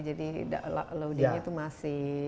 jadi loadingnya itu masih